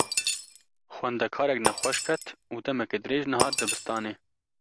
Xwendekarek nexweş ket û demeke dirêj nehat dibistanê.